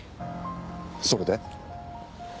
それで？